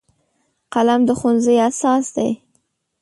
قلم د ښوونځي اساس دی